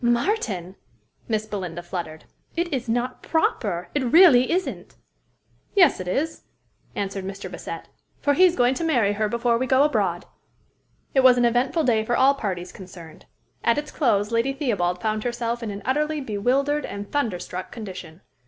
"Martin," Miss Belinda fluttered, "it is not proper it really isn't." "Yes, it is," answered Mr. Bassett; "for he's going to marry her before we go abroad." It was an eventful day for all parties concerned. At its close Lady Theobald found herself in an utterly bewildered and thunderstruck condition.